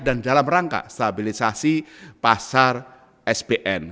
dan dalam rangka stabilisasi pasar spn